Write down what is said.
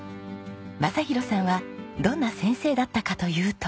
雅啓さんはどんな先生だったかというと。